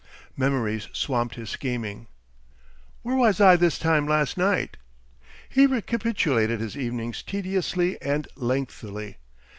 Memories swamped his scheming. "Where was I this time last night?" He recapitulated his evenings tediously and lengthily.